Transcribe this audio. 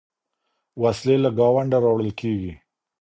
وسلې له ګاونډه راوړل کېږي.